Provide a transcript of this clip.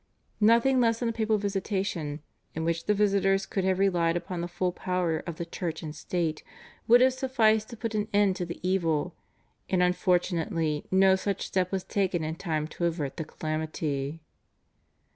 Nothing less than a papal visitation, in which the visitors could have relied upon the full power of the Church and State, would have sufficed to put an end to the evil, and unfortunately no such step was taken in time to avert the calamity.